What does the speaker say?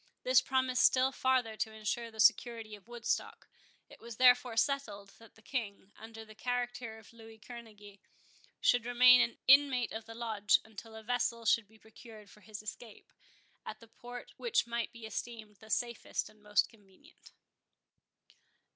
This promised still farther to insure the security of Woodstock. It was therefore settled, that the King, under the character of Louis Kerneguy, should remain an inmate of the Lodge, until a vessel should be procured for his escape, at the port which might be esteemed the safest and most convenient.